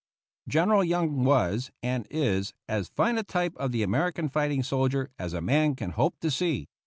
General Young was and is as fine a type of the American fighting soldier as a man can hope to see.